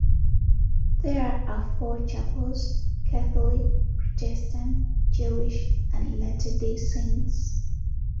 There are four chapels: Catholic, Protestant, Jewish, and Latter-day Saints.